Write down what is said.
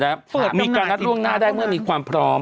เปิดจำหน่ายสินค้าเท่านั้นมีการรับร่วงหน้าได้เมื่อมีความพร้อม